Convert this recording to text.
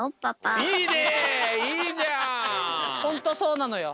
ほんとそうなのよ。